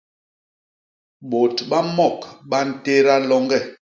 Bôt ba mok ba ntéda loñge.